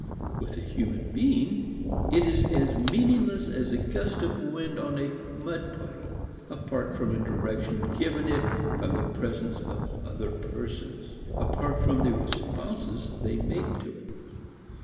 With a human being it is as meaningless as a gust of wind on a mud puddle apart from a direction given it by the presence of other persons, apart from the responses they make to it.